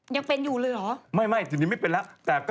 ยังเป็นอยู่เลยเหรอไม่ไม่ทีนี้ไม่เป็นแล้ว